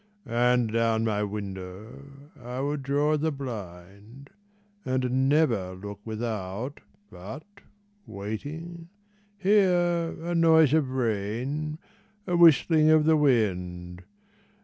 And down my window I would draw the blind, And never look without, but, waiting, hear A noise of rain, a whistling of the wind.